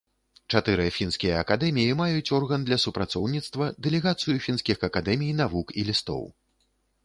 Чатыры фінскія акадэміі маюць орган для супрацоўніцтва, дэлегацыю фінскіх акадэмій навук і лістоў.